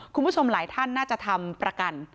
คุณผู้ชมหลายท่านน่าจะทำประกัน